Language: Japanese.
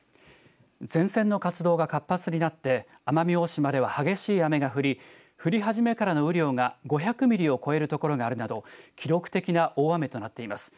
前線の活動が活発になって奄美大島では激しい雨が降り、降り始めからの雨量が５００ミリを超える所があるなど記録的な大雨となっています。